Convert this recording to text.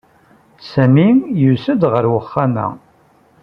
Sami yusa-d ɣer uxxam-a.